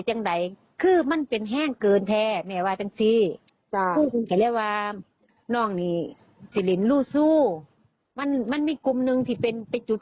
ล่ะครับครับคุณเกิ่งนะครับแล้วมีกันไหนครับหรือรอครับ